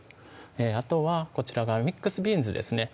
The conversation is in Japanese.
あとはこちらがミックスビーンズですね